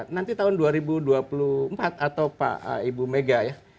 nanti tahun dua ribu dua puluh empat atau pak ibu mega ya